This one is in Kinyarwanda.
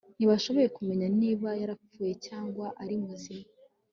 ntibashoboye kumenya niba yarapfuye cyangwa ari muzima